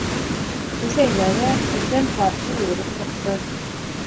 Бесәйҙәрем, этем ҡаршы йүгереп сыҡты.